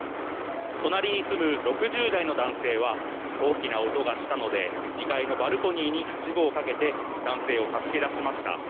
隣に住む６０代の男性は大きな音がしたので２階のバルコニーに、はしごをかけて男性を助け出しました。